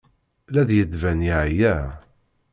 La d-yettban yeɛya.